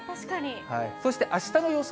そしてあしたの予想